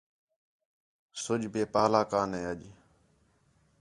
سُج پے پَہلا کانے اَڄ